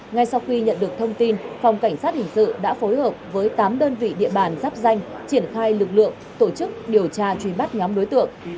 ngay sau khi nhận được thông tin phòng cảnh sát hình sự đã phối hợp với tám đơn vị địa bàn giáp danh triển khai lực lượng tổ chức điều tra truy bắt nhóm đối tượng